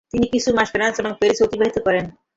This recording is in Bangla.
তিনি কিছু মাস ফ্রান্স এর প্যারিস এ অতিবাহিত করেন ।